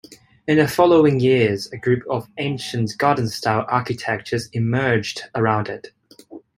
In the following years, a group of ancient garden-style architectures emerged around it.